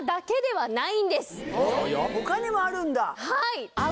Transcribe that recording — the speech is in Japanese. はい！